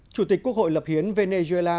chủ tịch quốc hội lập hiến venezuela